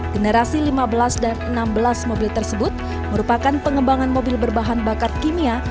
generasi lima belas dan enam belas mobil tersebut merupakan pengembangan mobil berbahan bakar kimia